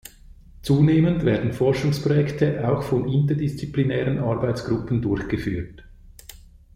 Zunehmend werden Forschungsprojekte auch von interdisziplinären Arbeitsgruppen durchgeführt.